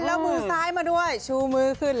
แล้วมือซ้ายมาด้วยชูมือขึ้น